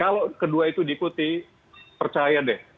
kalau kedua itu diikuti percaya deh